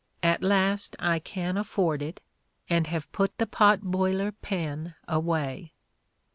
At last I can afford it, and have put the pot boiler pen away."